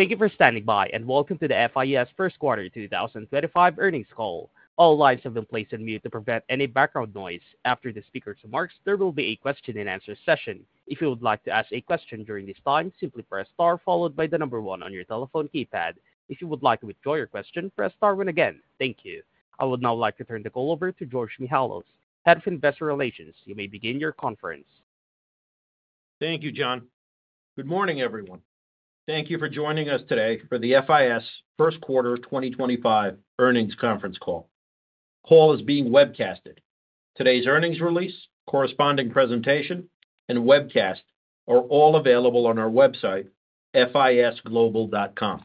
Thank you for standing by, and welcome to the FIS First Quarter 2025 earnings call. All lines have been placed on mute to prevent any background noise. After the speaker's remarks, there will be a question-and-answer session. If you would like to ask a question during this time, simply press star followed by the number one on your telephone keypad. If you would like to withdraw your question, press star one again. Thank you. I would now like to turn the call over to George Mihalos, Head of Investor Relations. You may begin your conference. Thank you, John. Good morning, everyone. Thank you for joining us today for the FIS First Quarter 2025 earnings conference call. The call is being webcast. Today's earnings release, corresponding presentation, and webcast are all available on our website, fisglobal.com.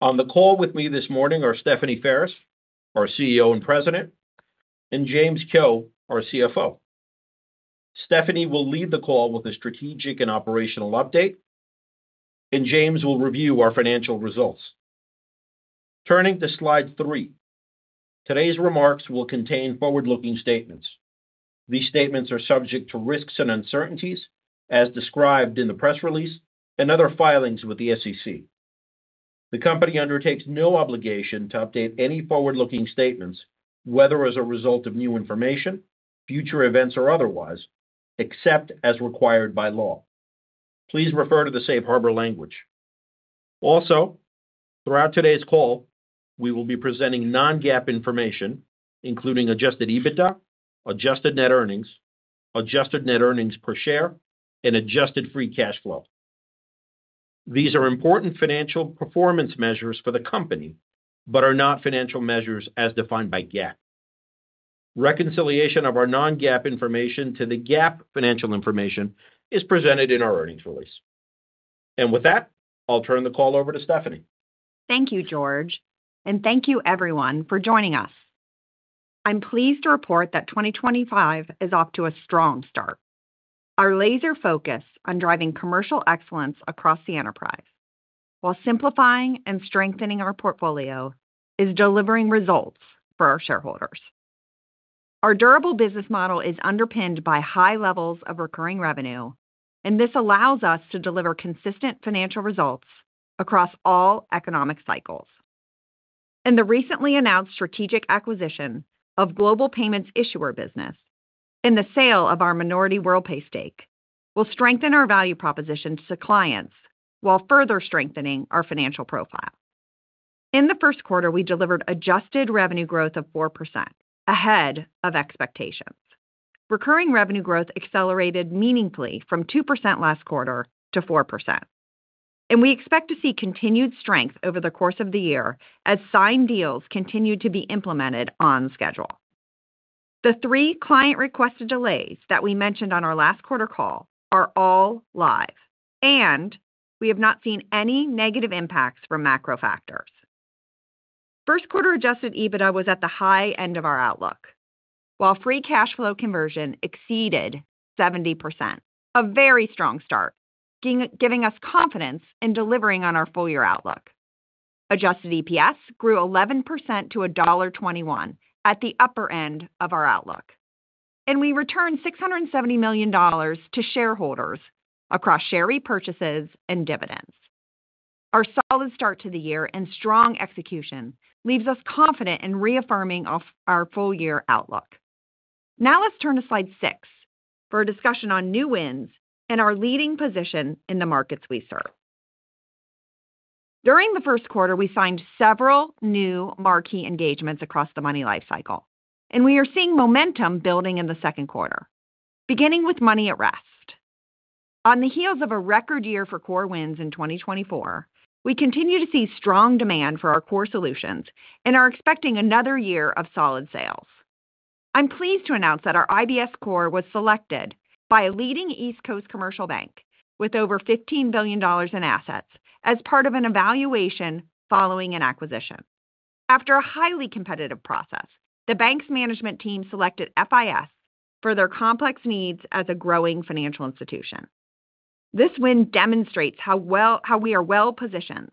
On the call with me this morning are Stephanie Ferris, our CEO and President, and James Kehoe, our CFO. Stephanie will lead the call with a strategic and operational update, and James will review our financial results. Turning to slide three, today's remarks will contain forward-looking statements. These statements are subject to risks and uncertainties, as described in the press release and other filings with the SEC. The company undertakes no obligation to update any forward-looking statements, whether as a result of new information, future events, or otherwise, except as required by law. Please refer to the safe harbor language. Also, throughout today's call, we will be presenting non-GAAP information, including adjusted EBITDA, adjusted net earnings, adjusted net earnings per share, and adjusted free cash flow. These are important financial performance measures for the company but are not financial measures as defined by GAAP. Reconciliation of our non-GAAP information to the GAAP financial information is presented in our earnings release. With that, I'll turn the call over to Stephanie. Thank you, George, and thank you, everyone, for joining us. I'm pleased to report that 2025 is off to a strong start. Our laser focus on driving commercial excellence across the enterprise, while simplifying and strengthening our portfolio, is delivering results for our shareholders. Our durable business model is underpinned by high levels of recurring revenue, and this allows us to deliver consistent financial results across all economic cycles. The recently announced strategic acquisition of Global Payments Issuer Business and the sale of our minority Worldpay stake will strengthen our value proposition to clients while further strengthening our financial profile. In the first quarter, we delivered adjusted revenue growth of 4% ahead of expectations. Recurring revenue growth accelerated meaningfully from 2% last quarter to 4%. We expect to see continued strength over the course of the year as signed deals continue to be implemented on schedule. The three client-requested delays that we mentioned on our last quarter call are all live, and we have not seen any negative impacts from macro factors. First quarter adjusted EBITDA was at the high end of our outlook, while free cash flow conversion exceeded 70%, a very strong start, giving us confidence in delivering on our full-year outlook. Adjusted EPS grew 11% to $1.21 at the upper end of our outlook, and we returned $670 million to shareholders across share repurchases and dividends. Our solid start to the year and strong execution leaves us confident in reaffirming our full-year outlook. Now let's turn to slide six for a discussion on new wins and our leading position in the markets we serve. During the first quarter, we signed several new marquee engagements across the money lifecycle, and we are seeing momentum building in the second quarter, beginning with Money at Rest. On the heels of a record year for core wins in 2024, we continue to see strong demand for our core solutions and are expecting another year of solid sales. I'm pleased to announce that our IBS core was selected by a leading East Coast commercial bank with over $15 billion in assets as part of an evaluation following an acquisition. After a highly competitive process, the bank's management team selected FIS for their complex needs as a growing financial institution. This win demonstrates how well we are well-positioned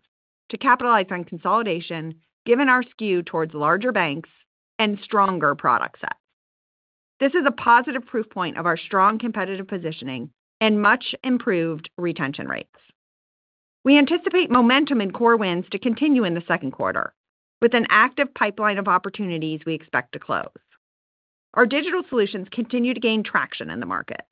to capitalize on consolidation, given our skew towards larger banks and stronger product sets. This is a positive proof point of our strong competitive positioning and much-improved retention rates. We anticipate momentum in core wins to continue in the second quarter, with an active pipeline of opportunities we expect to close. Our digital solutions continue to gain traction in the market.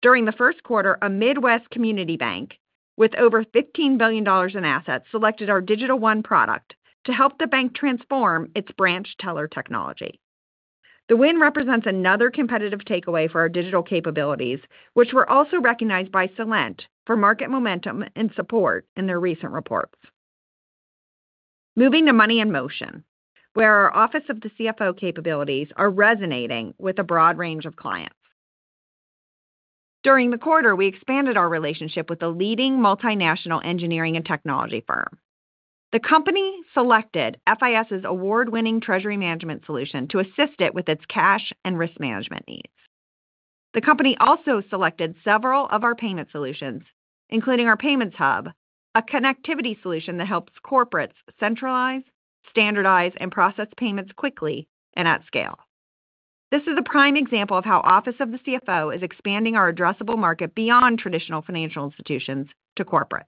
During the first quarter, a Midwest community bank with over $15 billion in assets selected our Digital One product to help the bank transform its branch teller technology. The win represents another competitive takeaway for our digital capabilities, which were also recognized by Cellent for market momentum and support in their recent reports. Moving to Money in Motion, where our Office of the CFO capabilities are resonating with a broad range of clients. During the quarter, we expanded our relationship with a leading multinational engineering and technology firm. The company selected FIS's award-winning treasury management solution to assist it with its cash and risk management needs. The company also selected several of our payment solutions, including our payments hub, a connectivity solution that helps corporates centralize, standardize, and process payments quickly and at scale. This is a prime example of how the Office of the CFO is expanding our addressable market beyond traditional financial institutions to corporates.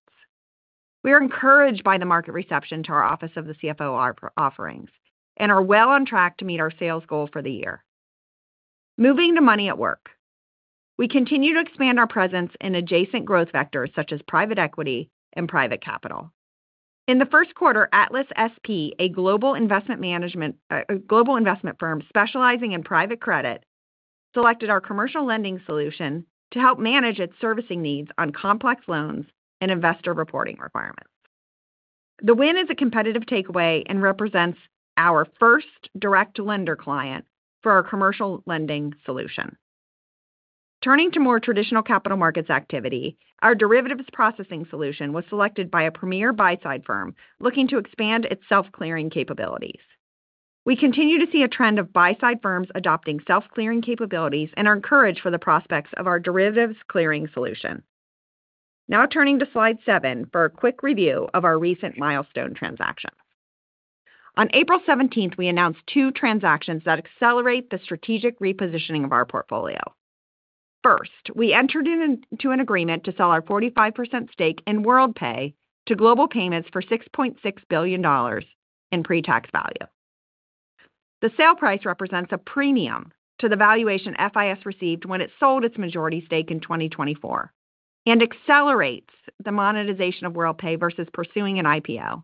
We are encouraged by the market reception to our Office of the CFO offerings and are well on track to meet our sales goal for the year. Moving to Money at Work, we continue to expand our presence in adjacent growth vectors such as private equity and private capital. In the first quarter, Atlas SP, a global investment management firm specializing in private credit, selected our commercial lending solution to help manage its servicing needs on complex loans and investor reporting requirements. The win is a competitive takeaway and represents our first direct lender client for our commercial lending solution. Turning to more traditional capital markets activity, our derivatives processing solution was selected by a premier buy-side firm looking to expand its self-clearing capabilities. We continue to see a trend of buy-side firms adopting self-clearing capabilities and are encouraged for the prospects of our derivatives clearing solution. Now turning to slide seven for a quick review of our recent milestone transactions. On April 17, we announced two transactions that accelerate the strategic repositioning of our portfolio. First, we entered into an agreement to sell our 45% stake in Worldpay to Global Payments for $6.6 billion in pre-tax value. The sale price represents a premium to the valuation FIS received when it sold its majority stake in 2024 and accelerates the monetization of Worldpay versus pursuing an IPO.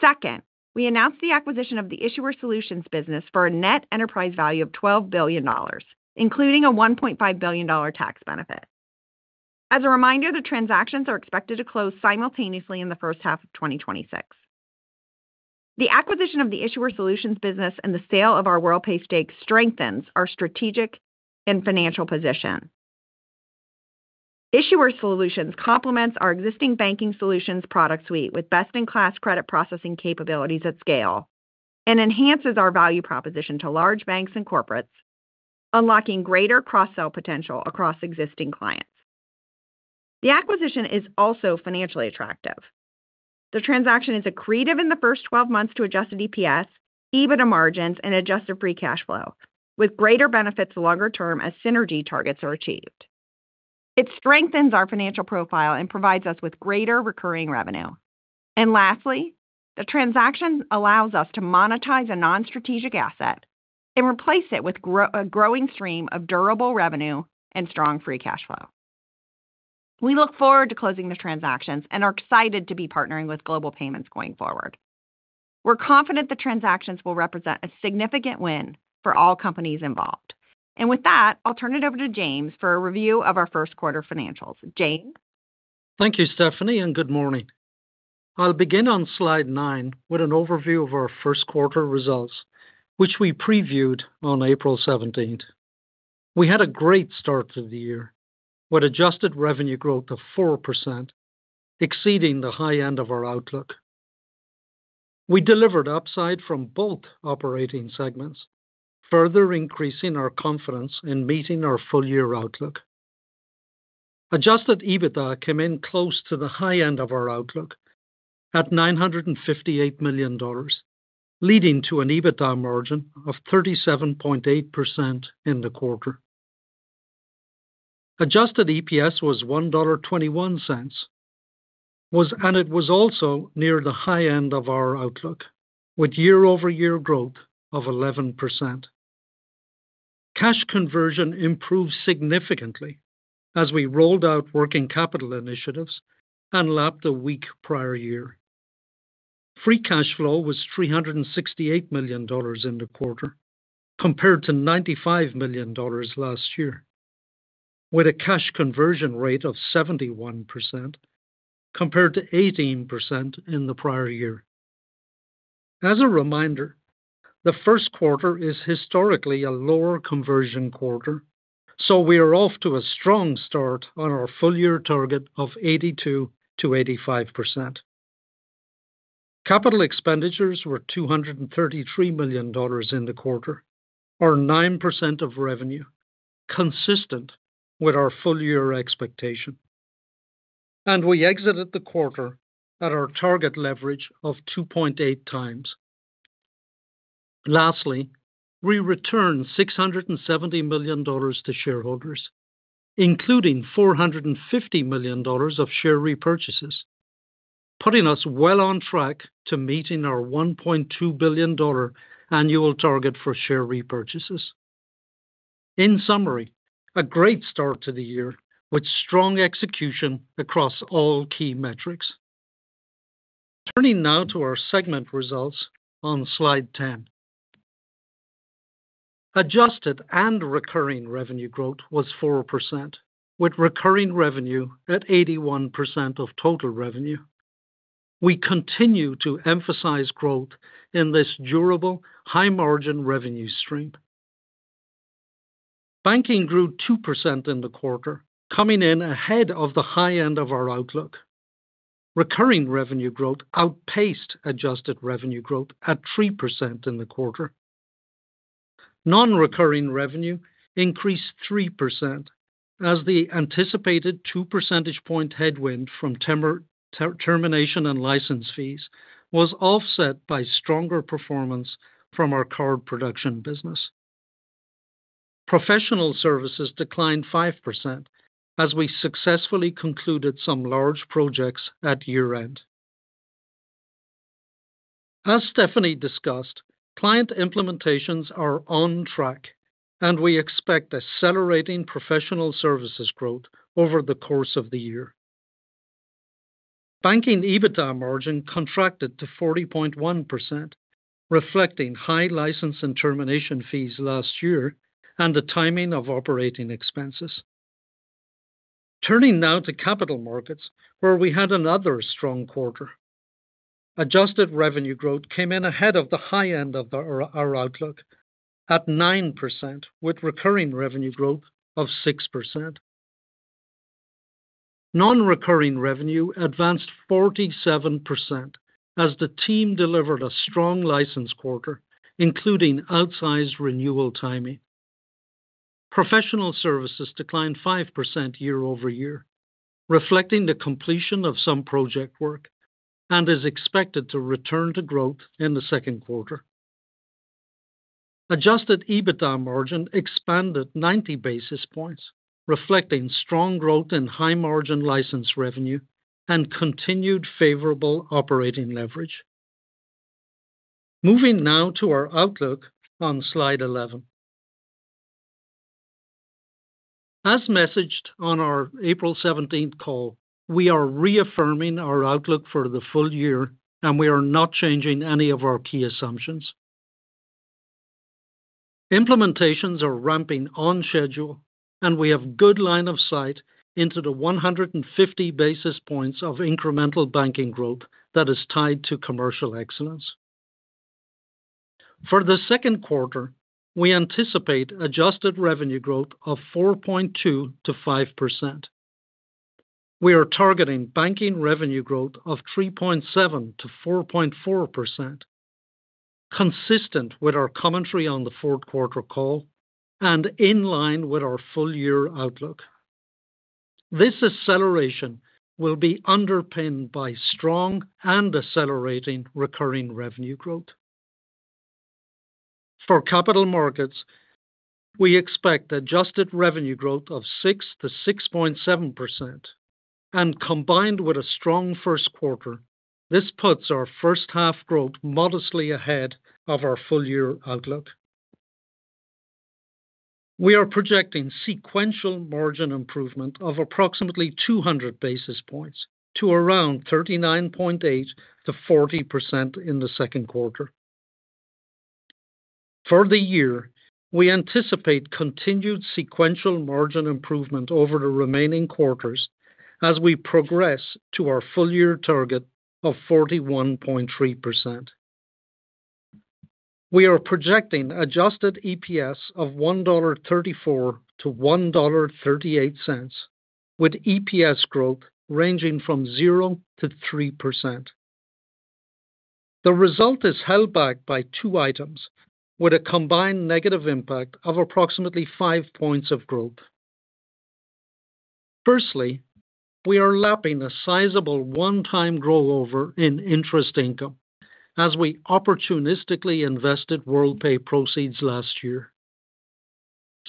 Second, we announced the acquisition of the Issuer Solutions business for a net enterprise value of $12 billion, including a $1.5 billion tax benefit. As a reminder, the transactions are expected to close simultaneously in the first half of 2026. The acquisition of the Issuer Solutions business and the sale of our Worldpay stake strengthens our strategic and financial position. Issuer Solutions complements our existing banking solutions product suite with best-in-class credit processing capabilities at scale and enhances our value proposition to large banks and corporates, unlocking greater cross-sell potential across existing clients. The acquisition is also financially attractive. The transaction is accretive in the first 12 months to adjusted EPS, EBITDA margins, and adjusted free cash flow, with greater benefits longer term as synergy targets are achieved. It strengthens our financial profile and provides us with greater recurring revenue. Lastly, the transaction allows us to monetize a non-strategic asset and replace it with a growing stream of durable revenue and strong free cash flow. We look forward to closing the transactions and are excited to be partnering with Global Payments going forward. We're confident the transactions will represent a significant win for all companies involved. With that, I'll turn it over to James for a review of our first quarter financials. James. Thank you, Stephanie, and good morning. I'll begin on slide nine with an overview of our first quarter results, which we previewed on April 17th. We had a great start to the year with adjusted revenue growth of 4%, exceeding the high end of our outlook. We delivered upside from both operating segments, further increasing our confidence in meeting our full-year outlook. Adjusted EBITDA came in close to the high end of our outlook at $958 million, leading to an EBITDA margin of 37.8% in the quarter. Adjusted EPS was $1.21, and it was also near the high end of our outlook, with year-over-year growth of 11%. Cash conversion improved significantly as we rolled out working capital initiatives and lapped a weak prior year. Free cash flow was $368 million in the quarter, compared to $95 million last year, with a cash conversion rate of 71%, compared to 18% in the prior year. As a reminder, the first quarter is historically a lower conversion quarter, so we are off to a strong start on our full-year target of 82%-85%. Capital expenditures were $233 million in the quarter, or 9% of revenue, consistent with our full-year expectation. We exited the quarter at our target leverage of 2.8 times. Lastly, we returned $670 million to shareholders, including $450 million of share repurchases, putting us well on track to meeting our $1.2 billion annual target for share repurchases. In summary, a great start to the year with strong execution across all key metrics. Turning now to our segment results on slide 10. Adjusted and recurring revenue growth was 4%, with recurring revenue at 81% of total revenue. We continue to emphasize growth in this durable, high-margin revenue stream. Banking grew 2% in the quarter, coming in ahead of the high end of our outlook. Recurring revenue growth outpaced adjusted revenue growth at 3% in the quarter. Non-recurring revenue increased 3% as the anticipated 2 percentage point headwind from termination and license fees was offset by stronger performance from our card production business. Professional services declined 5% as we successfully concluded some large projects at year-end. As Stephanie discussed, client implementations are on track, and we expect accelerating professional services growth over the course of the year. Banking EBITDA margin contracted to 40.1%, reflecting high license and termination fees last year and the timing of operating expenses. Turning now to capital markets, where we had another strong quarter. Adjusted revenue growth came in ahead of the high end of our outlook at 9%, with recurring revenue growth of 6%. Non-recurring revenue advanced 47% as the team delivered a strong license quarter, including outsized renewal timing. Professional services declined 5% year-over-year, reflecting the completion of some project work and is expected to return to growth in the second quarter. Adjusted EBITDA margin expanded 90 basis points, reflecting strong growth in high-margin license revenue and continued favorable operating leverage. Moving now to our outlook on slide 11. As messaged on our April 17th call, we are reaffirming our outlook for the full year, and we are not changing any of our key assumptions. Implementations are ramping on schedule, and we have good line of sight into the 150 basis points of incremental banking growth that is tied to commercial excellence. For the second quarter, we anticipate adjusted revenue growth of 4.2%-5%. We are targeting banking revenue growth of 3.7%-4.4%, consistent with our commentary on the fourth quarter call and in line with our full-year outlook. This acceleration will be underpinned by strong and accelerating recurring revenue growth. For capital markets, we expect adjusted revenue growth of 6%-6.7%, and combined with a strong first quarter, this puts our first half growth modestly ahead of our full-year outlook. We are projecting sequential margin improvement of approximately 200 basis points to around 39.8%-40% in the second quarter. For the year, we anticipate continued sequential margin improvement over the remaining quarters as we progress to our full-year target of 41.3%. We are projecting adjusted EPS of $1.34-$1.38, with EPS growth ranging from 0%-3%. The result is held back by two items, with a combined negative impact of approximately five points of growth. Firstly, we are lapping a sizable one-time rollover in interest income as we opportunistically invested Worldpay proceeds last year.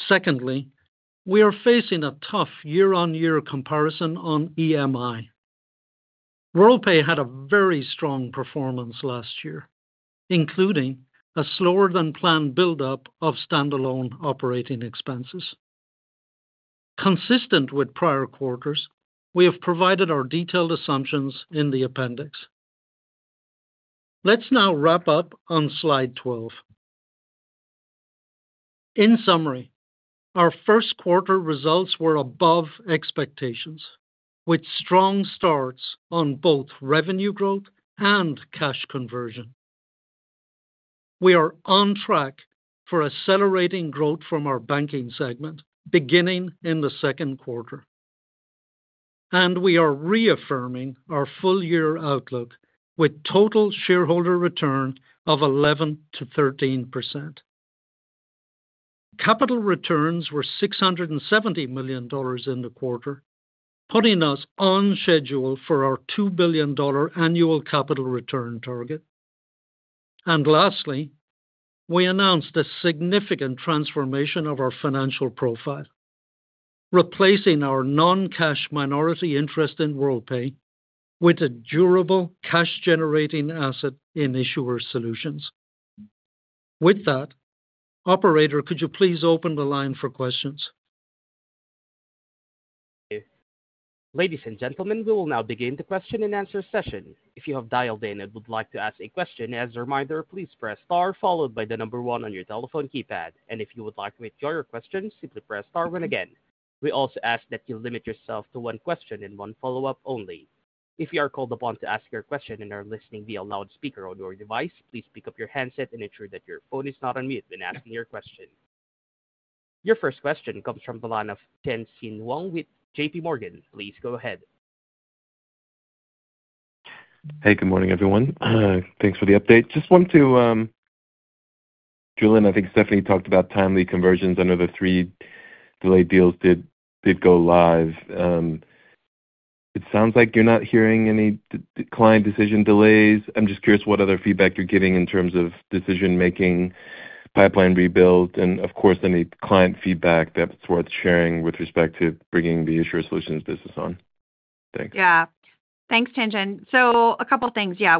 Secondly, we are facing a tough year-on-year comparison on EMI. Worldpay had a very strong performance last year, including a slower-than-planned buildup of standalone operating expenses. Consistent with prior quarters, we have provided our detailed assumptions in the appendix. Let's now wrap up on slide 12. In summary, our first quarter results were above expectations, with strong starts on both revenue growth and cash conversion. We are on track for accelerating growth from our banking segment beginning in the second quarter. We are reaffirming our full-year outlook with total shareholder return of 11%-13%. Capital returns were $670 million in the quarter, putting us on schedule for our $2 billion annual capital return target. Lastly, we announced a significant transformation of our financial profile, replacing our non-cash minority interest in Worldpay with a durable cash-generating asset in Issuer Solutions. With that, Operator, could you please open the line for questions? Ladies and gentlemen, we will now begin the question and answer session. If you have dialed in and would like to ask a question, as a reminder, please press star followed by the number one on your telephone keypad. If you would like to withdraw your question, simply press star two. We also ask that you limit yourself to one question and one follow-up only. If you are called upon to ask your question and are listening via loudspeaker on your device, please pick up your handset and ensure that your phone is not on mute when asking your question. Your first question comes from the line of Tien-Tsin Huang with JP Morgan. Please go ahead. Hey, good morning, everyone. Thanks for the update. Just wanted to, Julian, I think Stephanie talked about timely conversions. I know the three delayed deals did go live. It sounds like you're not hearing any client decision delays. I'm just curious what other feedback you're getting in terms of decision-making, pipeline rebuild, and of course, any client feedback that's worth sharing with respect to bringing the Issuer Solutions business on. Thanks. Yeah. Thanks, Tien-Tsin. A couple of things. Yeah,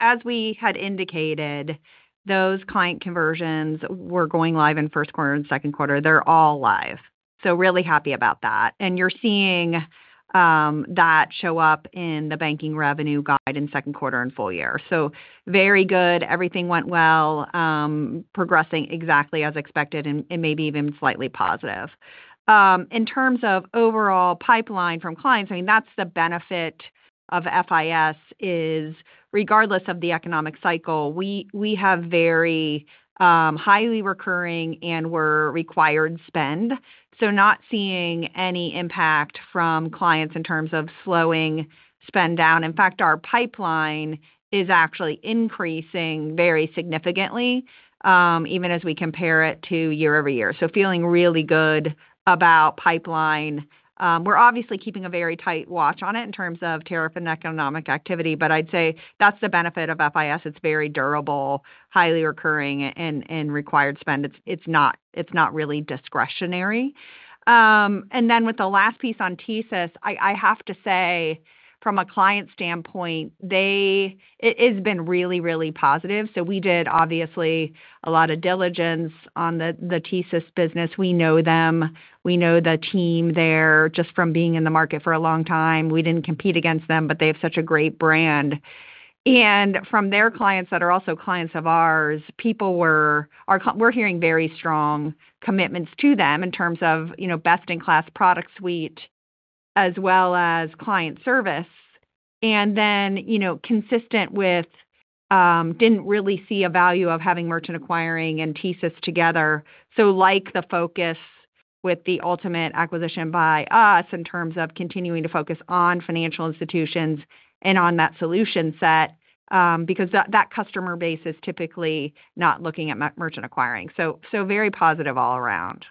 as we had indicated, those client conversions were going live in first quarter and second quarter. They're all live. Really happy about that. You're seeing that show up in the banking revenue guide in second quarter and full year. Very good. Everything went well, progressing exactly as expected and maybe even slightly positive. In terms of overall pipeline from clients, I mean, that's the benefit of FIS is regardless of the economic cycle, we have very highly recurring and we're required spend. Not seeing any impact from clients in terms of slowing spend down. In fact, our pipeline is actually increasing very significantly, even as we compare it to year-over-year. Feeling really good about pipeline. We're obviously keeping a very tight watch on it in terms of tariff and economic activity, but I'd say that's the benefit of FIS. It's very durable, highly recurring, and required spend. It's not really discretionary. With the last piece on TSYS, I have to say, from a client standpoint, it has been really, really positive. We did, obviously, a lot of diligence on the TSYS business. We know them. We know the team there just from being in the market for a long time. We didn't compete against them, but they have such a great brand. From their clients that are also clients of ours, we're hearing very strong commitments to them in terms of best-in-class product suite as well as client service. Consistent with that, didn't really see a value of having merchant acquiring and TSYS together. Like the focus with the ultimate acquisition by us in terms of continuing to focus on financial institutions and on that solution set because that customer base is typically not looking at merchant acquiring. Very positive all around.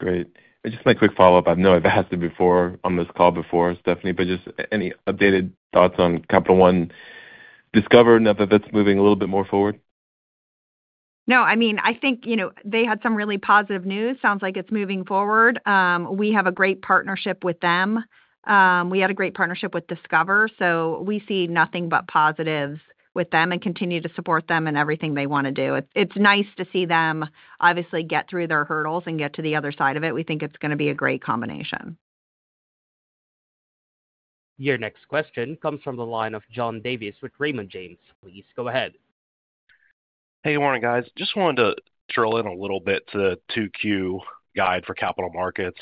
Great. Just my quick follow-up. I know I've asked it before on this call before, Stephanie, but just any updated thoughts on Capital One Discover now that that's moving a little bit more forward? No, I mean, I think they had some really positive news. Sounds like it's moving forward. We have a great partnership with them. We had a great partnership with Discover. We see nothing but positives with them and continue to support them in everything they want to do. It's nice to see them, obviously, get through their hurdles and get to the other side of it. We think it's going to be a great combination. Your next question comes from the line of John Davis with Raymond James. Please go ahead. Hey, good morning, guys. Just wanted to drill in a little bit to the 2Q guide for capital markets,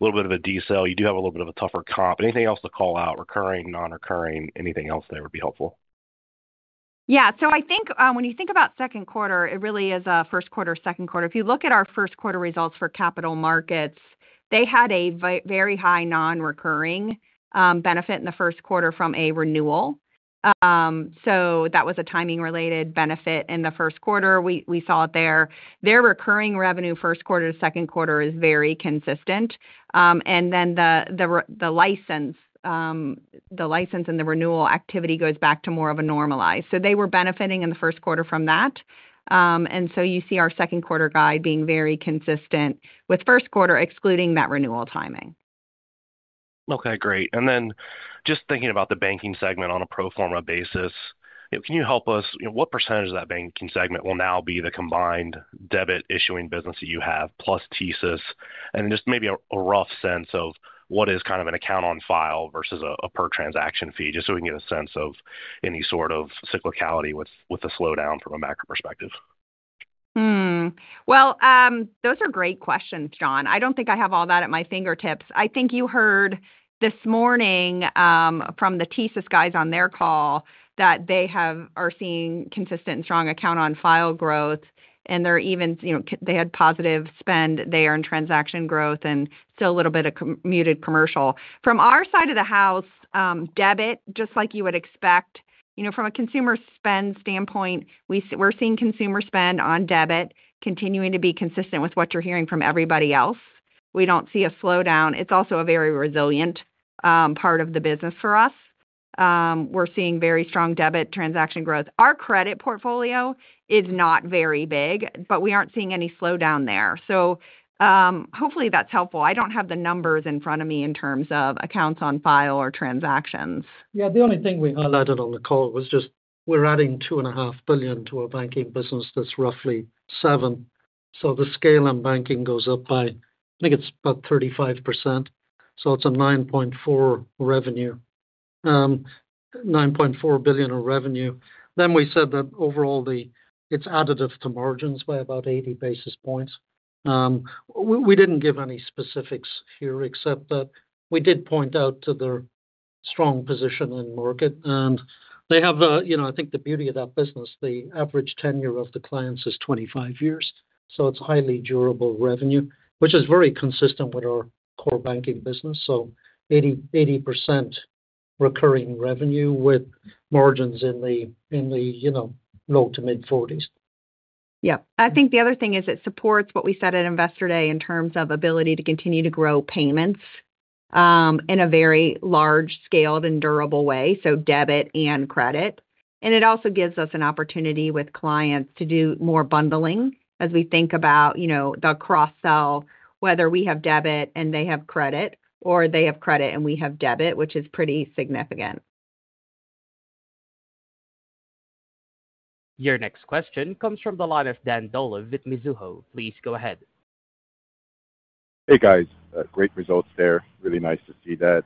a little bit of a detail. You do have a little bit of a tougher comp. Anything else to call out? Recurring, non-recurring, anything else there would be helpful? Yeah. I think when you think about second quarter, it really is a first quarter, second quarter. If you look at our first quarter results for capital markets, they had a very high non-recurring benefit in the first quarter from a renewal. That was a timing-related benefit in the first quarter. We saw it there. Their recurring revenue first quarter to second quarter is very consistent. The license and the renewal activity goes back to more of a normalized. They were benefiting in the first quarter from that. You see our second quarter guide being very consistent with first quarter excluding that renewal timing. Okay. Great. Just thinking about the banking segment on a pro forma basis, can you help us? What percentage of that banking segment will now be the combined debit-issuing business that you have plus TSYS? Just maybe a rough sense of what is kind of an account on file versus a per-transaction fee, just so we can get a sense of any sort of cyclicality with a slowdown from a macro perspective. Those are great questions, John. I do not think I have all that at my fingertips. I think you heard this morning from the TSYS guys on their call that they are seeing consistent and strong account on file growth, and they had positive spend there and transaction growth and still a little bit of commuted commercial. From our side of the house, debit, just like you would expect. From a consumer spend standpoint, we are seeing consumer spend on debit continuing to be consistent with what you are hearing from everybody else. We do not see a slowdown. It is also a very resilient part of the business for us. We are seeing very strong debit transaction growth. Our credit portfolio is not very big, but we are not seeing any slowdown there. Hopefully that is helpful. I do not have the numbers in front of me in terms of accounts on file or transactions. Yeah. The only thing we highlighted on the call was just we're adding $2.5 billion to our banking business. That's roughly seven. So the scale in banking goes up by, I think it's about 35%. It's a $9.4 billion revenue. We said that overall it's additive to margins by about 80 basis points. We didn't give any specifics here except that we did point out to their strong position in market. They have, I think, the beauty of that business. The average tenure of the clients is 25 years. It's highly durable revenue, which is very consistent with our core banking business. 80% recurring revenue with margins in the low to mid-40%. Yep. I think the other thing is it supports what we said at Investor Day in terms of ability to continue to grow payments in a very large-scaled and durable way, so debit and credit. It also gives us an opportunity with clients to do more bundling as we think about the cross-sell, whether we have debit and they have credit, or they have credit and we have debit, which is pretty significant. Your next question comes from the line of Dan Dolev with Mizuho. Please go ahead. Hey, guys. Great results there. Really nice to see that.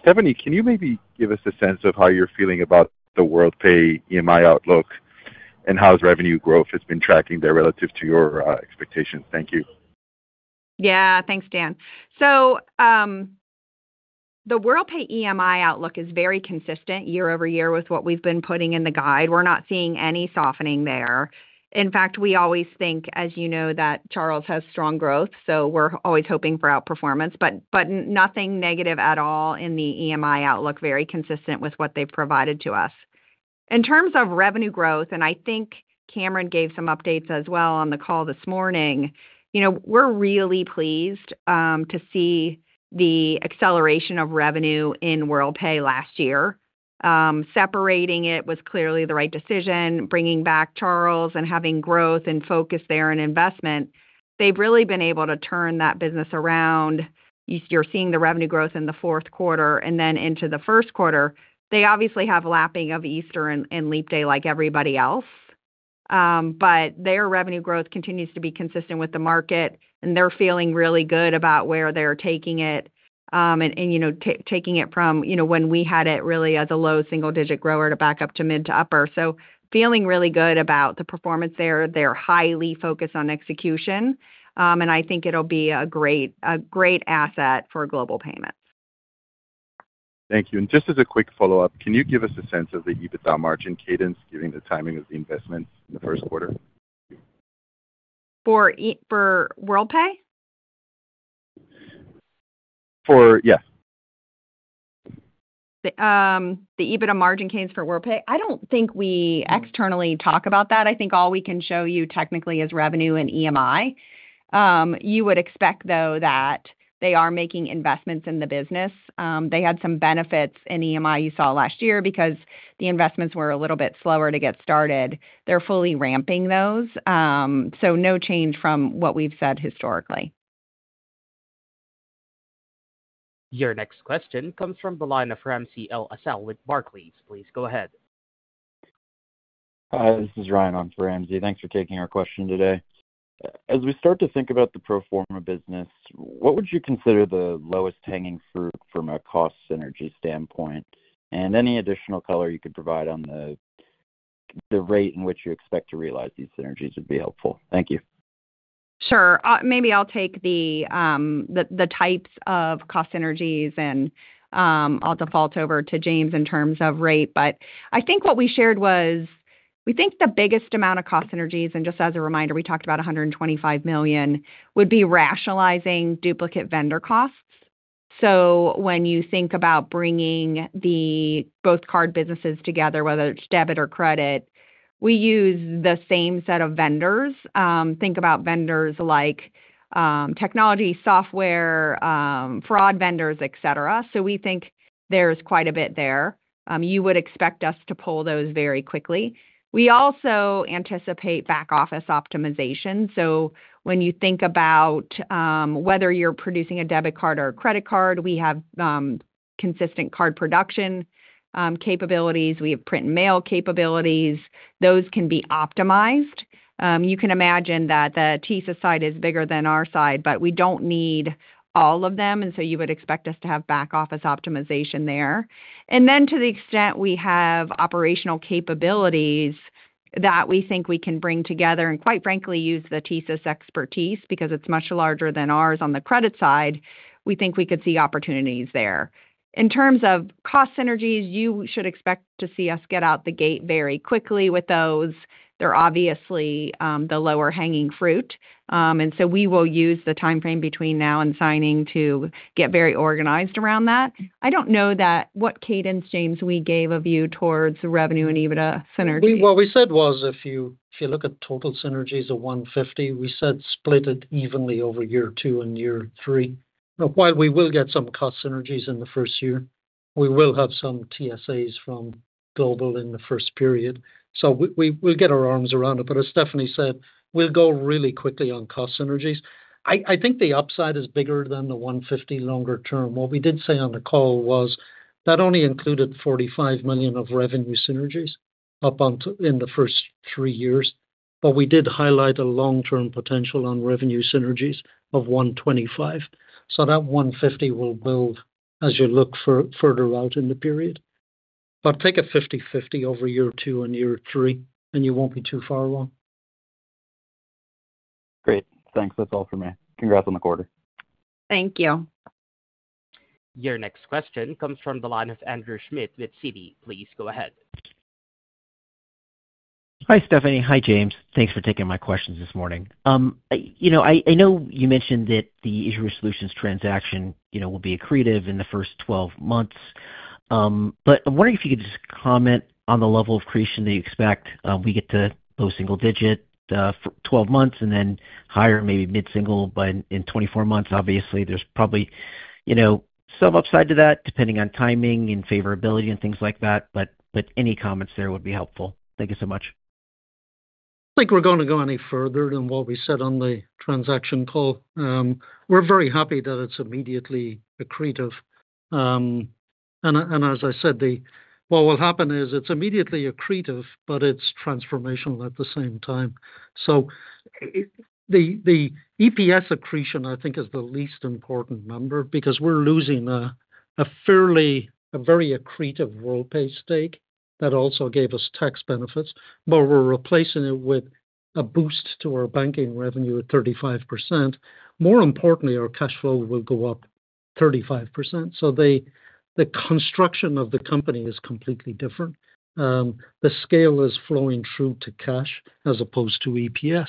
Stephanie, can you maybe give us a sense of how you're feeling about the Worldpay EMI outlook and how revenue growth has been tracking there relative to your expectations? Thank you. Yeah. Thanks, Dan. The Worldpay EMI outlook is very consistent year-over-year with what we've been putting in the guide. We're not seeing any softening there. In fact, we always think, as you know, that Charles has strong growth, so we're always hoping for outperformance, but nothing negative at all in the EMI outlook, very consistent with what they've provided to us. In terms of revenue growth, and I think Cameron gave some updates as well on the call this morning, we're really pleased to see the acceleration of revenue in Worldpay last year. Separating it was clearly the right decision, bringing back Charles and having growth and focus there in investment. They've really been able to turn that business around. You're seeing the revenue growth in the fourth quarter and then into the first quarter. They obviously have a lapping of Easter and leap day like everybody else, but their revenue growth continues to be consistent with the market, and they're feeling really good about where they're taking it and taking it from when we had it really as a low single-digit grower to back up to mid to upper. Feeling really good about the performance there. They're highly focused on execution, and I think it'll be a great asset for Global Payments. Thank you. Just as a quick follow-up, can you give us a sense of the EBITDA margin cadence given the timing of the investment in the first quarter? For Worldpay? For, yes. The EBITDA margin cadence for Worldpay? I don't think we externally talk about that. I think all we can show you technically is revenue and EMI. You would expect, though, that they are making investments in the business. They had some benefits in EMI you saw last year because the investments were a little bit slower to get started. They're fully ramping those. No change from what we've said historically. Your next question comes from the line of Ramsey El-Assal with Barclays. Please go ahead. This is Ryan on for Ramsey. Thanks for taking our question today. As we start to think about the pro forma business, what would you consider the lowest hanging fruit from a cost synergy standpoint? Any additional color you could provide on the rate in which you expect to realize these synergies would be helpful. Thank you. Sure. Maybe I'll take the types of cost synergies, and I'll default over to James in terms of rate. I think what we shared was we think the biggest amount of cost synergies, and just as a reminder, we talked about $125 million, would be rationalizing duplicate vendor costs. When you think about bringing both card businesses together, whether it's debit or credit, we use the same set of vendors. Think about vendors like technology, software, fraud vendors, etc. We think there's quite a bit there. You would expect us to pull those very quickly. We also anticipate back-office optimization. When you think about whether you're producing a debit card or a credit card, we have consistent card production capabilities. We have print and mail capabilities. Those can be optimized. You can imagine that the TSYS side is bigger than our side, but we don't need all of them. You would expect us to have back-office optimization there. To the extent we have operational capabilities that we think we can bring together and, quite frankly, use the TSYS expertise because it's much larger than ours on the credit side, we think we could see opportunities there. In terms of cost synergies, you should expect to see us get out the gate very quickly with those. They're obviously the lower hanging fruit. We will use the timeframe between now and signing to get very organized around that. I don't know what cadence, James, we gave you towards revenue and EBITDA synergies. If you look at total synergies of $150 million, we said split it evenly over year two and year three. While we will get some cost synergies in the first year, we will have some TSAs from Global Payments in the first period. We will get our arms around it. As Stephanie said, we will go really quickly on cost synergies. I think the upside is bigger than the $150 million longer term. What we did say on the call was that only included $45 million of revenue synergies in the first three years, but we did highlight a long-term potential on revenue synergies of $125 million. That $150 million will build as you look further out in the period. Take a 50/50 split over year two and year three, and you will not be too far wrong. Great. Thanks. That's all for me. Congrats on the quarter. Thank you. Your next question comes from the line of Andrew Schmidt with Citi. Please go ahead. Hi, Stephanie. Hi, James. Thanks for taking my questions this morning. I know you mentioned that the Issuer Solutions transaction will be accretive in the first 12 months, but I'm wondering if you could just comment on the level of accretion that you expect we get to post-single digit for 12 months and then higher, maybe mid-single in 24 months. Obviously, there's probably some upside to that depending on timing and favorability and things like that, but any comments there would be helpful. Thank you so much. I think we're going to go any further than what we said on the transaction call. We're very happy that it's immediately accretive. As I said, what will happen is it's immediately accretive, but it's transformational at the same time. The EPS accretion, I think, is the least important number because we're losing a very accretive Worldpay stake that also gave us tax benefits, but we're replacing it with a boost to our banking revenue at 35%. More importantly, our cash flow will go up 35%. The construction of the company is completely different. The scale is flowing through to cash as opposed to EPS.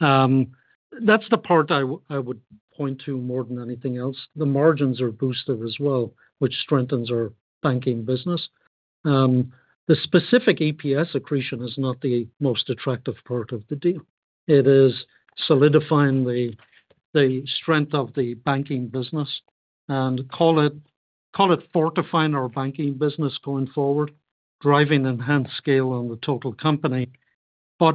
That's the part I would point to more than anything else. The margins are boosted as well, which strengthens our banking business. The specific EPS accretion is not the most attractive part of the deal. It is solidifying the strength of the banking business and call it fortifying our banking business going forward, driving enhanced scale on the total company. Where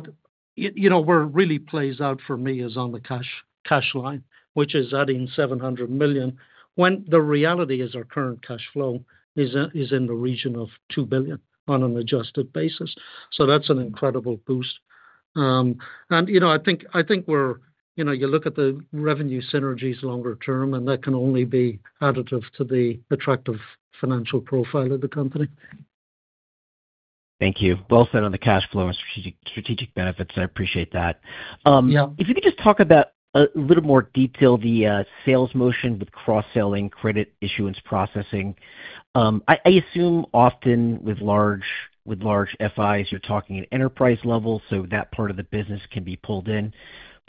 it really plays out for me is on the cash line, which is adding $700 million when the reality is our current cash flow is in the region of $2 billion on an adjusted basis. That is an incredible boost. I think you look at the revenue synergies longer term, and that can only be additive to the attractive financial profile of the company. Thank you. Well said on the cash flow and strategic benefits. I appreciate that. If you could just talk about a little more detail, the sales motion with cross-selling credit issuance processing. I assume often with large FIs, you're talking at enterprise level so that part of the business can be pulled in.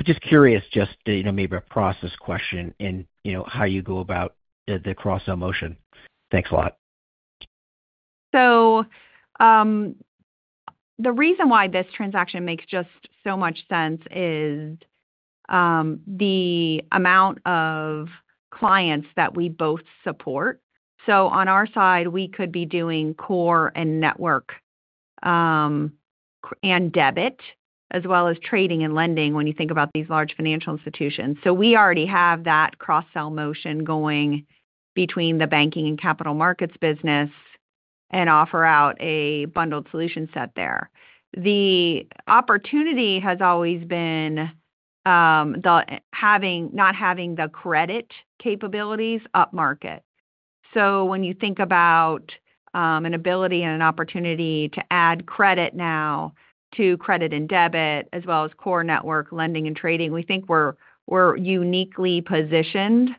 Just curious, just maybe a process question and how you go about the cross-sell motion. Thanks a lot. The reason why this transaction makes just so much sense is the amount of clients that we both support. On our side, we could be doing core and network and debit as well as trading and lending when you think about these large financial institutions. We already have that cross-sell motion going between the banking and capital markets business and offer out a bundled solution set there. The opportunity has always been not having the credit capabilities upmarket. When you think about an ability and an opportunity to add credit now to credit and debit as well as core network, lending, and trading, we think we're uniquely positioned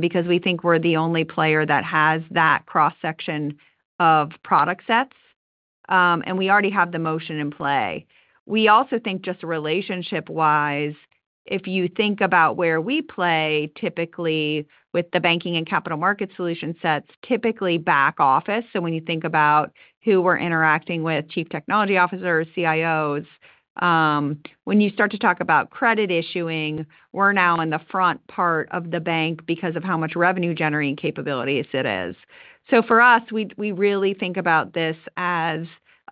because we think we're the only player that has that cross-section of product sets, and we already have the motion in play. We also think just relationship-wise, if you think about where we play typically with the banking and capital markets solution sets, typically back office. When you think about who we're interacting with, chief technology officers, CIOs, when you start to talk about credit issuing, we're now in the front part of the bank because of how much revenue-generating capabilities it is. For us, we really think about this as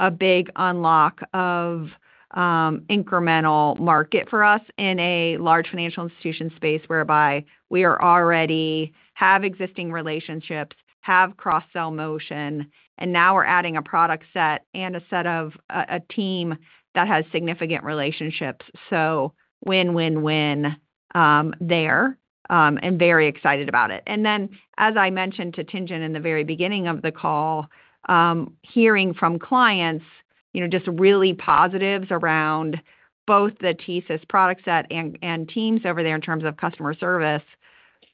a big unlock of incremental market for us in a large financial institution space whereby we already have existing relationships, have cross-sell motion, and now we're adding a product set and a team that has significant relationships. Win, win, win there and very excited about it. As I mentioned to Tien-Tsin in the very beginning of the call, hearing from clients just really positives around both the TSYS product set and teams over there in terms of customer service,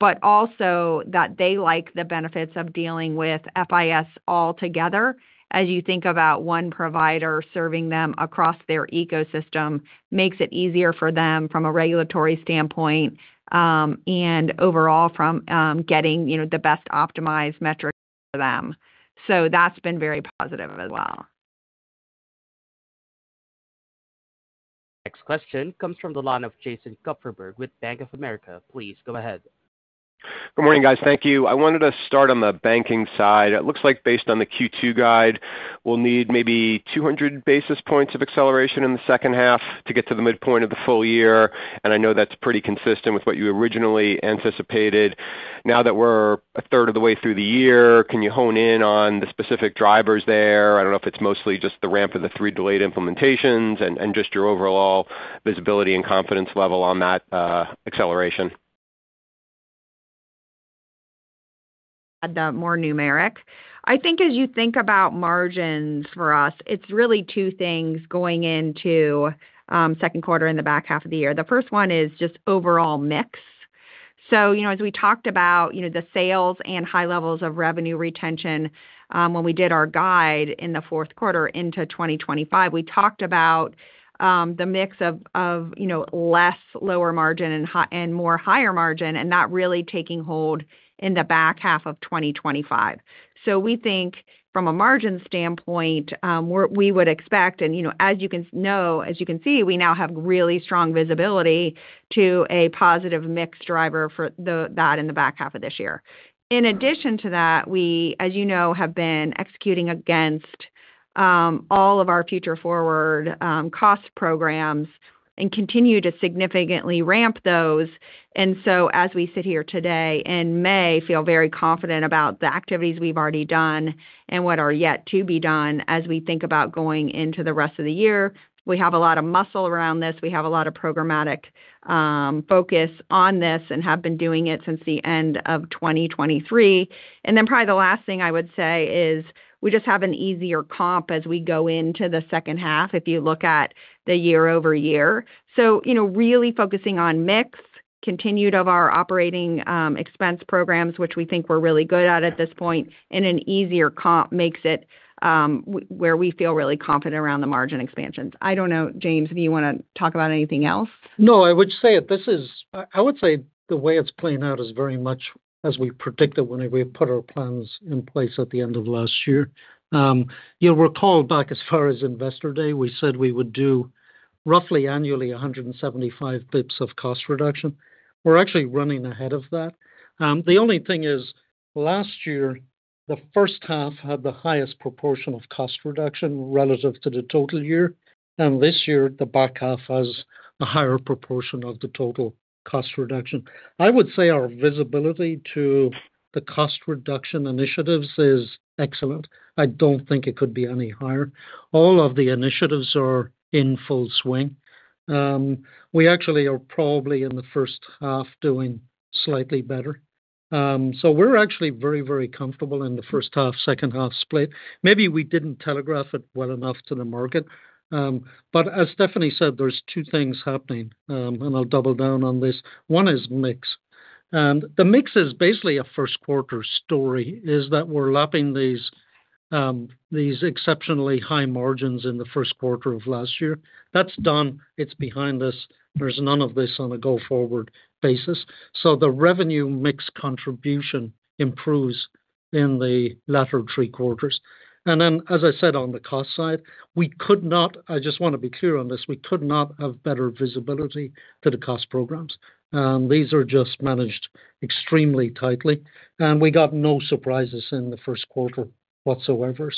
but also that they like the benefits of dealing with FIS all together as you think about one provider serving them across their ecosystem makes it easier for them from a regulatory standpoint and overall from getting the best optimized metrics for them. That has been very positive as well. Next question comes from the line of Jason Kupferberg with Bank of America. Please go ahead. Good morning, guys. Thank you. I wanted to start on the banking side. It looks like based on the Q2 guide, we'll need maybe 200 basis points of acceleration in the second half to get to the midpoint of the full year. I know that's pretty consistent with what you originally anticipated. Now that we're a third of the way through the year, can you hone in on the specific drivers there? I don't know if it's mostly just the ramp of the three delayed implementations and just your overall visibility and confidence level on that acceleration. More numeric. I think as you think about margins for us, it's really two things going into second quarter in the back half of the year. The first one is just overall mix. As we talked about the sales and high levels of revenue retention when we did our guide in the fourth quarter into 2025, we talked about the mix of less lower margin and more higher margin and not really taking hold in the back half of 2025. We think from a margin standpoint, we would expect, and as you can see, we now have really strong visibility to a positive mix driver for that in the back half of this year. In addition to that, we, as you know, have been executing against all of our future forward cost programs and continue to significantly ramp those. As we sit here today, we feel very confident about the activities we've already done and what are yet to be done as we think about going into the rest of the year. We have a lot of muscle around this. We have a lot of programmatic focus on this and have been doing it since the end of 2023. Probably the last thing I would say is we just have an easier comp as we go into the second half if you look at the year-over-year. Really focusing on mix, continued of our operating expense programs, which we think we're really good at at this point, and an easier comp makes it where we feel really confident around the margin expansions. I don't know, James, if you want to talk about anything else. No, I would say this is, I would say the way it's playing out is very much as we predicted when we put our plans in place at the end of last year. You'll recall back as far as investor day, we said we would do roughly annually 175 basis points of cost reduction. We're actually running ahead of that. The only thing is last year, the first half had the highest proportion of cost reduction relative to the total year. This year, the back half has a higher proportion of the total cost reduction. I would say our visibility to the cost reduction initiatives is excellent. I don't think it could be any higher. All of the initiatives are in full swing. We actually are probably in the first half doing slightly better. We are actually very, very comfortable in the first half, second half split. Maybe we didn't telegraph it well enough to the market. As Stephanie said, there are two things happening, and I'll double down on this. One is mix. The mix is basically a first quarter story, that we're lapping these exceptionally high margins in the first quarter of last year. That's done. It's behind us. There's none of this on a go forward basis. The revenue mix contribution improves in the latter three quarters. As I said, on the cost side, we could not, I just want to be clear on this, we could not have better visibility to the cost programs. These are just managed extremely tightly. We got no surprises in the first quarter whatsoever.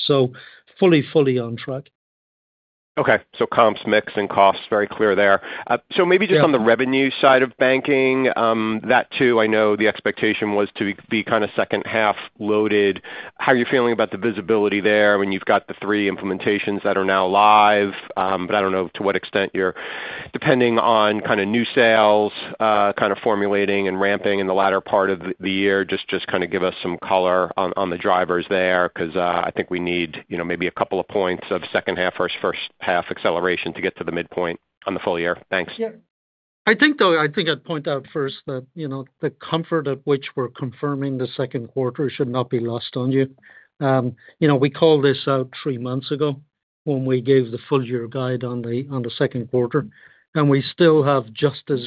Fully, fully on track. Okay. Comps, mix, and costs, very clear there. Maybe just on the revenue side of banking, that too, I know the expectation was to be kind of second half loaded. How are you feeling about the visibility there when you've got the three implementations that are now live? I do not know to what extent you're depending on kind of new sales, kind of formulating and ramping in the latter part of the year. Just give us some color on the drivers there because I think we need maybe a couple of points of second half versus first half acceleration to get to the midpoint on the full year. Thanks. Yeah. I think I'd point out first that the comfort of which we're confirming the second quarter should not be lost on you. We called this out three months ago when we gave the full-year guide on the second quarter. We still have just as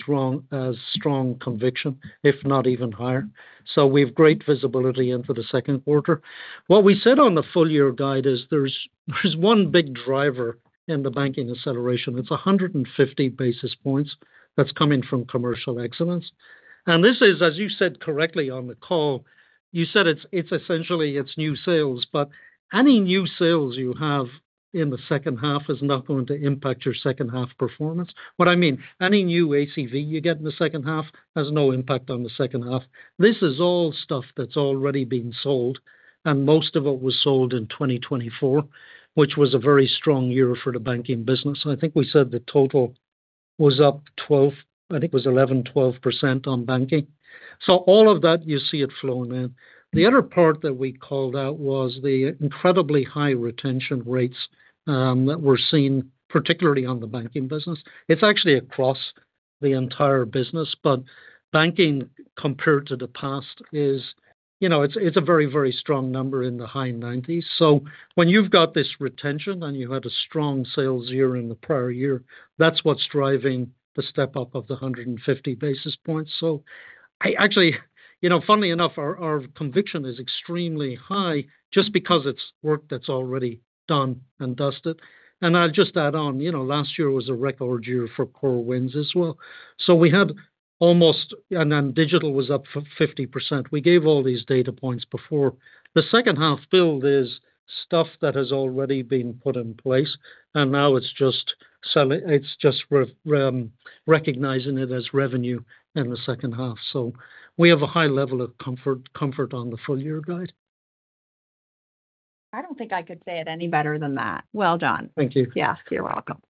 strong conviction, if not even higher. We have great visibility into the second quarter. What we said on the full-year guide is there's one big driver in the banking acceleration. It's 150 basis points that's coming from commercial excellence. This is, as you said correctly on the call, you said it's essentially it's new sales, but any new sales you have in the second half is not going to impact your second half performance. I mean, any new ACV you get in the second half has no impact on the second half. This is all stuff that's already been sold, and most of it was sold in 2024, which was a very strong year for the banking business. I think we said the total was up 12, I think it was 11-12% on banking. All of that, you see it flowing in. The other part that we called out was the incredibly high retention rates that were seen, particularly on the banking business. It's actually across the entire business, but banking compared to the past is, it's a very, very strong number in the high 90s. When you've got this retention and you had a strong sales year in the prior year, that's what's driving the step up of the 150 basis points. Actually, funny enough, our conviction is extremely high just because it's work that's already done and dusted. I'll just add on, last year was a record year for core wins as well. We had almost, and then digital was up 50%. We gave all these data points before. The second half build is stuff that has already been put in place, and now it's just recognizing it as revenue in the second half. We have a high level of comfort on the full-year guide. I do not think I could say it any better than that. Well done. Thank you. Yes, you're welcome.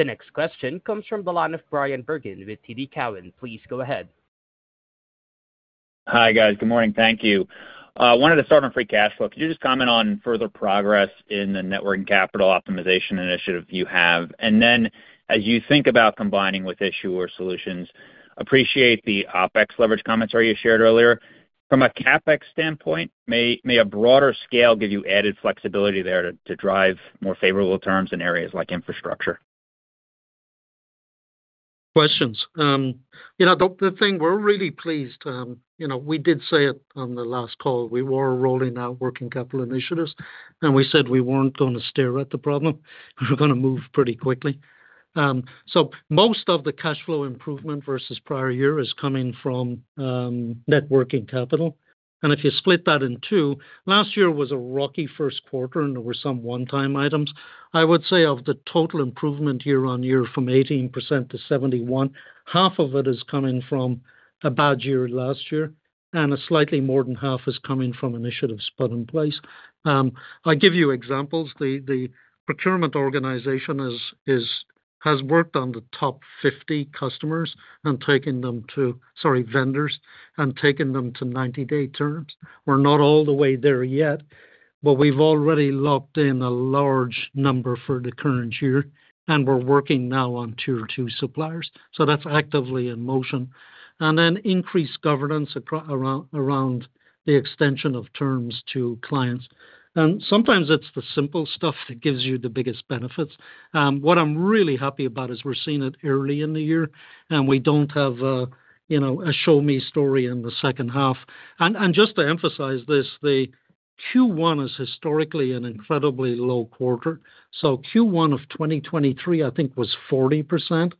The next question comes from the line of Brian Bergen with TD Cowen. Please go ahead. Hi, guys. Good morning. Thank you. Wanted to start on free cash flow. Could you just comment on further progress in the network and capital optimization initiative you have? As you think about combining with Issuer Solutions, appreciate the OpEx leverage comments you shared earlier. From a CapEx standpoint, may a broader scale give you added flexibility there to drive more favorable terms in areas like infrastructure? Questions. The thing we're really pleased, we did say it on the last call, we were rolling out working capital initiatives, and we said we weren't going to stare at the problem. We're going to move pretty quickly. Most of the cash flow improvement versus prior year is coming from networking capital. If you split that in two, last year was a rocky first quarter and there were some one-time items. I would say of the total improvement year-on-year from 18% to 71%, half of it is coming from a bad year last year, and a slightly more than half is coming from initiatives put in place. I'll give you examples. The procurement organization has worked on the top 50 customers and taken them to, sorry, vendors and taken them to 90-day terms. We're not all the way there yet, but we've already locked in a large number for the current year, and we're working now on tier two suppliers. That's actively in motion. Increased governance around the extension of terms to clients. Sometimes it's the simple stuff that gives you the biggest benefits. What I'm really happy about is we're seeing it early in the year, and we don't have a show me story in the second half. Just to emphasize this, Q1 is historically an incredibly low quarter. Q1 of 2023, I think, was 40%.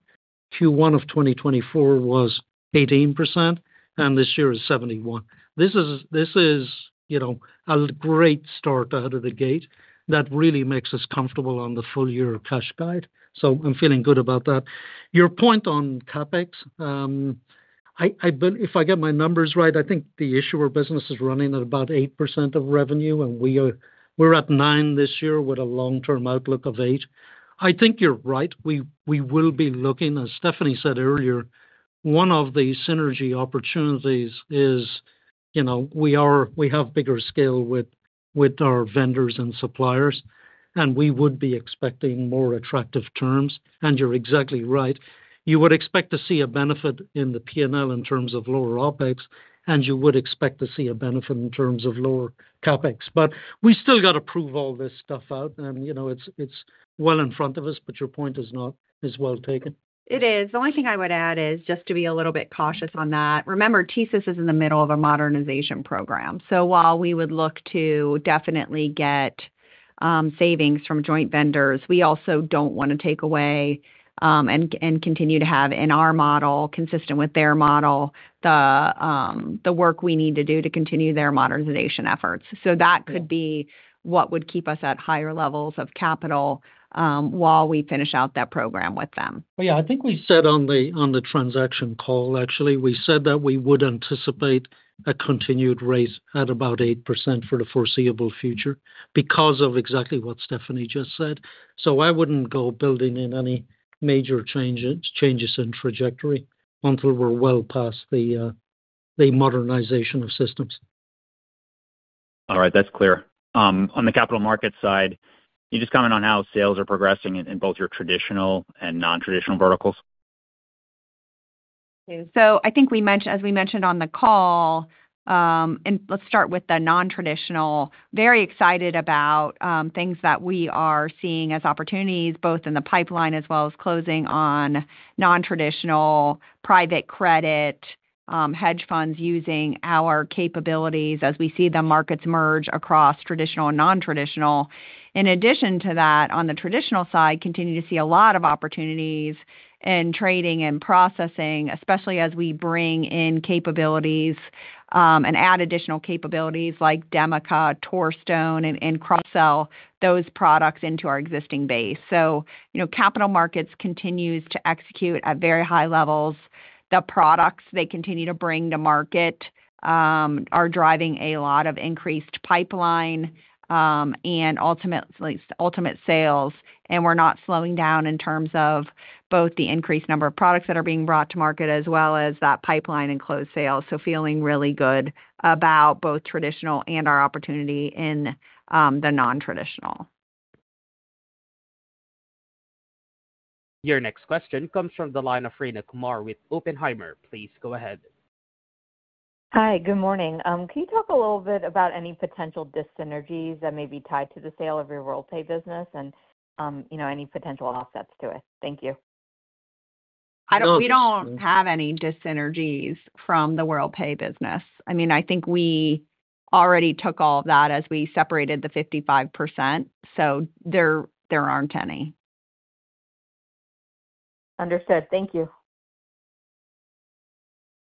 Q1 of 2024 was 18%, and this year is 71%. This is a great start out of the gate that really makes us comfortable on the full-year cash guide. I'm feeling good about that. Your point on CapEx, if I get my numbers right, I think the issuer business is running at about 8% of revenue, and we're at nine this year with a long-term outlook of 8%. I think you're right. We will be looking, as Stephanie said earlier, one of the synergy opportunities is we have bigger scale with our vendors and suppliers, and we would be expecting more attractive terms. You're exactly right. You would expect to see a benefit in the P&L in terms of lower OpEx, and you would expect to see a benefit in terms of lower CapEx. We still got to prove all this stuff out, and it's well in front of us, but your point is not as well taken. It is. The only thing I would add is just to be a little bit cautious on that. Remember, TSYS is in the middle of a modernization program. While we would look to definitely get savings from joint vendors, we also do not want to take away and continue to have in our model, consistent with their model, the work we need to do to continue their modernization efforts. That could be what would keep us at higher levels of capital while we finish out that program with them. I think we said on the transaction call, actually, we said that we would anticipate a continued raise at about 8% for the foreseeable future because of exactly what Stephanie just said. I would not go building in any major changes in trajectory until we are well past the modernization of systems. All right. That's clear. On the capital market side, can you just comment on how sales are progressing in both your traditional and non-traditional verticals? I think we mentioned, as we mentioned on the call, let's start with the non-traditional. Very excited about things that we are seeing as opportunities, both in the pipeline as well as closing on non-traditional private credit hedge funds using our capabilities as we see the markets merge across traditional and non-traditional. In addition to that, on the traditional side, continue to see a lot of opportunities in trading and processing, especially as we bring in capabilities and add additional capabilities like Demaca, Torstone, and Crossell, those products into our existing base. Capital markets continue to execute at very high levels. The products they continue to bring to market are driving a lot of increased pipeline and ultimate sales. We are not slowing down in terms of both the increased number of products that are being brought to market as well as that pipeline and closed sales. Feeling really good about both traditional and our opportunity in the non-traditional. Your next question comes from the line of Rayna Kumar with Oppenheimer. Please go ahead. Hi, good morning. Can you talk a little bit about any potential disynergies that may be tied to the sale of your Worldpay business and any potential offsets to it? Thank you. We don't have any disynergies from the Worldpay business. I mean, I think we already took all of that as we separated the 55%. So there aren't any. Understood. Thank you.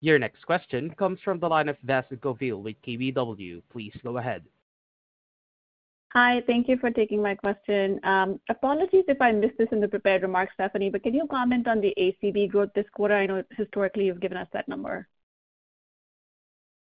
Your next question comes from the line of Vasu Govil with KBW. Please go ahead. Hi. Thank you for taking my question. Apologies if I missed this in the prepared remarks, Stephanie, but can you comment on the ACV growth this quarter? I know historically you've given us that number.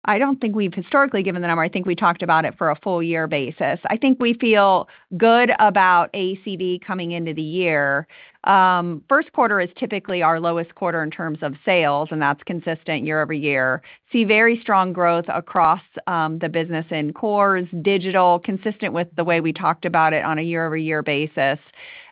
I don't think we've historically given the number. I think we talked about it for a full-year basis. I think we feel good about ACV coming into the year. First quarter is typically our lowest quarter in terms of sales, and that's consistent year-over-year. See very strong growth across the business in cores, digital, consistent with the way we talked about it on a year-over-year basis.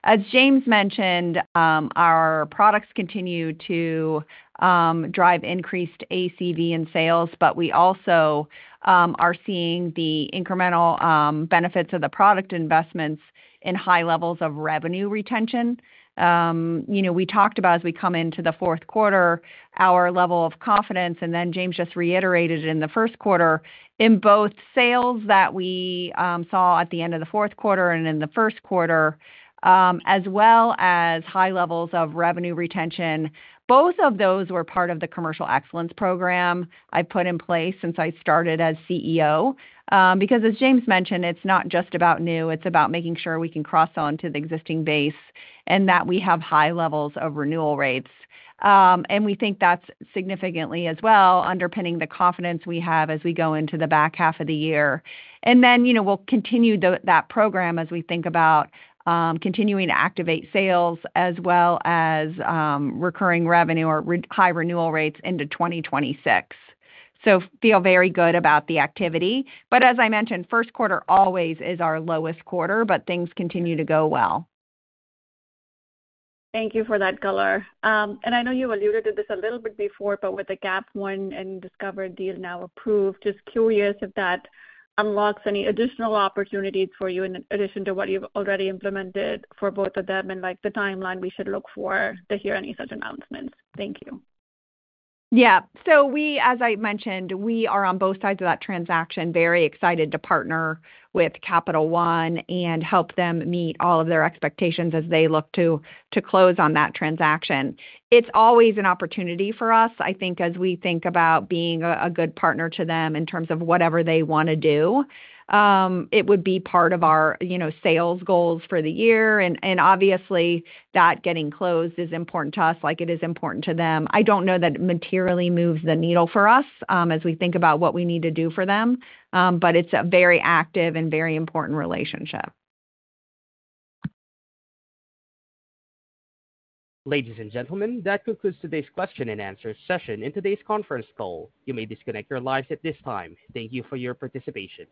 As James mentioned, our products continue to drive increased ACV in sales, but we also are seeing the incremental benefits of the product investments in high levels of revenue retention. We talked about as we come into the fourth quarter, our level of confidence, and then James just reiterated in the first quarter, in both sales that we saw at the end of the fourth quarter and in the first quarter, as well as high levels of revenue retention. Both of those were part of the commercial excellence program I've put in place since I started as CEO because, as James mentioned, it's not just about new. It's about making sure we can cross onto the existing base and that we have high levels of renewal rates. We think that's significantly as well underpinning the confidence we have as we go into the back half of the year. We will continue that program as we think about continuing to activate sales as well as recurring revenue or high renewal rates into 2026. I feel very good about the activity. As I mentioned, first quarter always is our lowest quarter, but things continue to go well. Thank you for that, Guller. I know you alluded to this a little bit before, but with the Gap One and Discover deal now approved, just curious if that unlocks any additional opportunities for you in addition to what you've already implemented for both of them and the timeline we should look for to hear any such announcements. Thank you. Yeah. As I mentioned, we are on both sides of that transaction, very excited to partner with Capital One and help them meet all of their expectations as they look to close on that transaction. It's always an opportunity for us, I think, as we think about being a good partner to them in terms of whatever they want to do. It would be part of our sales goals for the year. Obviously, that getting closed is important to us like it is important to them. I don't know that it materially moves the needle for us as we think about what we need to do for them, but it's a very active and very important relationship. Ladies and gentlemen, that concludes today's question and answer session in today's conference call. You may disconnect your lines at this time. Thank you for your participation.